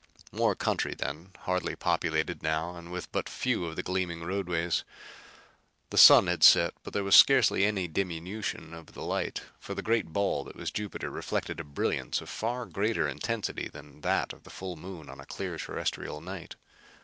More country then, hardly populated now and with but few of the gleaming roadways. The sun had set, but there was scarcely any diminution of the light for the great ball that was Jupiter reflected a brilliance of far greater intensity than that of the full Moon on a clear Terrestrial night.